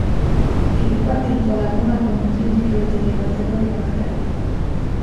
Kiribatil pole kunagi olnud riigipöördeid ega terroriakte.